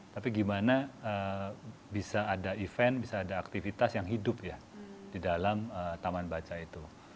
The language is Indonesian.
tapi gimana bisa ada event bisa ada aktivitas yang hidup ya di dalam taman baca itu